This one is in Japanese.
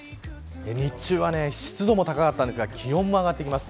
日中は、湿度も高かったんですが気温も上がってきます。